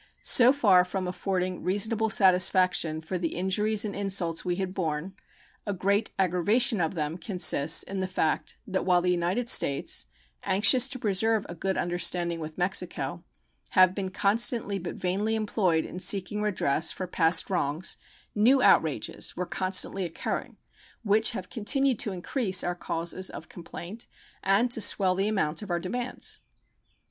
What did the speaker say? So far from affording reasonable satisfaction for the injuries and insults we had borne, a great aggravation of them consists in the fact that while the United States, anxious to preserve a good understanding with Mexico, have been constantly but vainly employed in seeking redress for past wrongs, new outrages were constantly occurring, which have continued to increase our causes of complaint and to swell the amount of our demands.